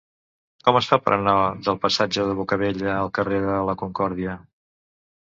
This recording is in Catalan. Com es fa per anar del passatge de Bocabella al carrer de la Concòrdia?